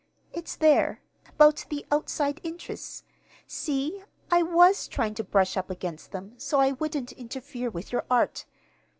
"It's there about the outside interests. See? I was trying to brush up against them, so that I wouldn't interfere with your Art.